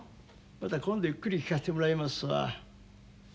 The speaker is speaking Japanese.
また今度ゆっくり聴かせてもらいますわ。